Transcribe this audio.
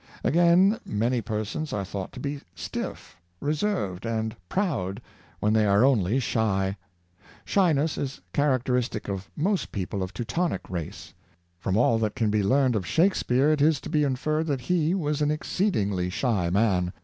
Again, many persons are thought to be stiff, reserved, and proud, when they are only shy. Shyness is char acteristic of most people of Teutonic race. From all that can be learned of Shakspeare, it is to be inferred that he was an exceedingly shy man.